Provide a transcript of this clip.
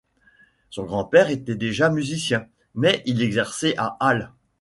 Son grand-père était déjà musicien, mais il exerçait à Halle.